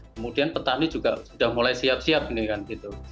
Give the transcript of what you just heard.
kemudian petani juga sudah mulai siap siap ini kan gitu